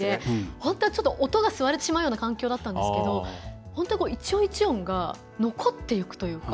本当は、ちょっと音が吸われてしまうような環境だったんですけど本当に一音一音が残っていくというか。